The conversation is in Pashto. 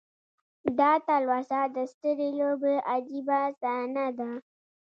دا تلوسه د سترې لوبې عجیبه صحنه ده.